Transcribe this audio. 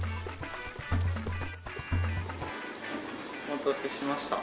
お待たせしました。